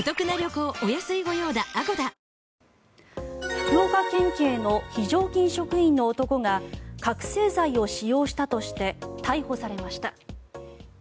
福岡県警の非常勤職員の男が覚醒剤を使用したとして逮捕されました。